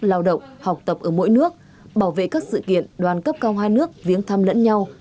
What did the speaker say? lao động học tập ở mỗi nước bảo vệ các sự kiện đoàn cấp cao hai nước viếng thăm lẫn nhau